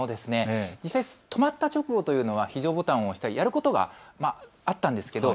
実際に止まった直後というのは非常ボタン、押したりやることがあったんですが